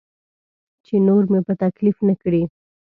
چې نور مې په تکلیف نه کړي.